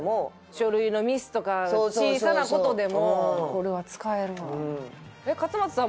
書類のミスとか小さな事でもこれは使えるわ。